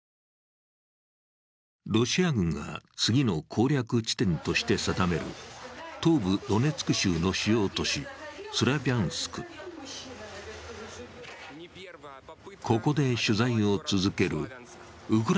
ロシア軍が次の攻略地点として定める東部ドネツク州の主要都市スラビャンスク。